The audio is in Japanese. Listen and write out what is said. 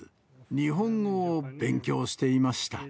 日本語を勉強していました。